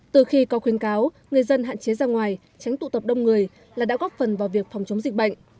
từ khi có khuyến cáo người dân hạn chế ra ngoài tránh tụ tập đông người là đã góp phần vào việc phòng chống dịch bệnh